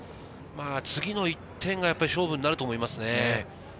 次の１点が勝負になると思いますね。